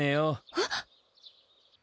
えっ！？